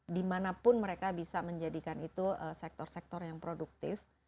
dimanapun mereka bisa menjadikan itu sektor sektor yang produktif